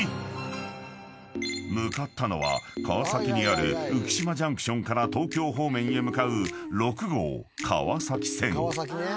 ［向かったのは川崎にある浮島ジャンクションから東京方面へ向かう６号川崎線］